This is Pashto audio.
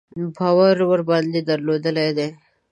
باور ورباندې درلودلی دی.